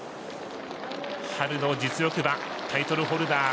春の実力馬タイトルホルダー。